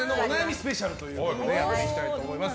スペシャルということでやっていきたいと思います。